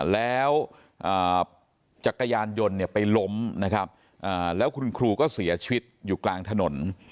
แล้วจักรยานยนต์ไปล้มนะครับแล้วคุณครูก็เสียชีวิตอยู่กลางถนน